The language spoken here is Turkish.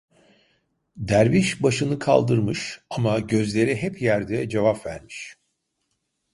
Derviş başını kaldırmış, ama gözleri hep yerde cevap vermiş: